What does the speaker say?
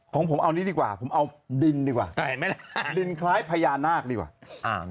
ของผมเอานี้ดีกว่าผมเอาดินดีกว่าดินคล้ายพญานาคดีกว่า